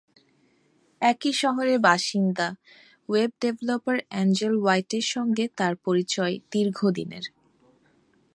একই শহরের বাসিন্দা, ওয়েব ডেভেলপার এঞ্জেল হোয়াইটের সঙ্গে তাঁর পরিচয় দীর্ঘদিনের।